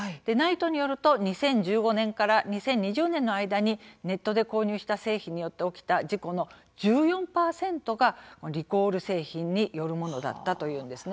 ＮＩＴＥによると２０１５年から２０２０年の間にネットで購入した製品によって起きた事故の１４％がリコール製品によるものだったというんです。